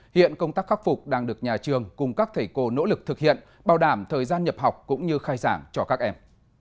hiện công tác khắc phục đang được nhà trường cùng các thầy cô nỗ lực thực hiện bảo đảm thời gian nhập học cũng như khai giảng cho các em